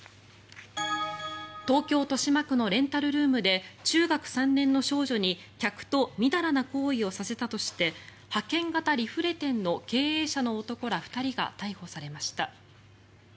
東京・豊島区のレンタルルームで中学３年の少女に客とみだらな行為をさせたとして派遣型リフレ店の経営者の男ら２人が逮捕されました。